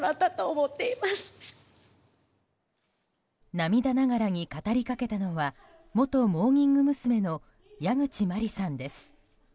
涙ながらに語りかけたのは元モーニング娘。の矢口真里さんです。